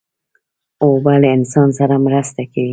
اوبه له انسان سره مرسته کوي.